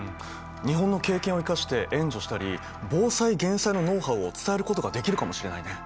日本の経験を生かして援助したり防災減災のノウハウを伝えることができるかもしれないね。